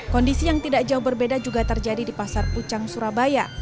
kondisi yang tidak jauh berbeda juga terjadi di pasar pucang surabaya